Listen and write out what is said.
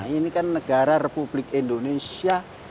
ini kan negara republik indonesia